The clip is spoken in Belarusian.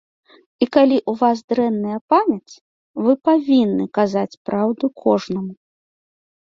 І калі ў вас дрэнная памяць, вы павінны казаць праўду кожнаму.